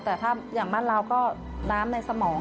แต่ถ้าอย่างบ้านเราก็น้ำในสมอง